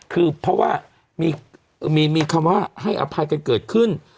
คือเพราะว่ามีคำว่าให้อภัยกันเกิดขึ้น